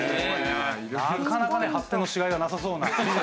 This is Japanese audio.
なかなかね発展のしがいがなさそうな。